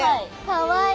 かわいい！